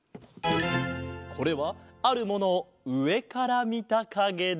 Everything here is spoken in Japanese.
これはあるものをうえからみたかげだ。